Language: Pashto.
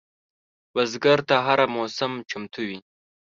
بزګر ته هره موسم چمتو وي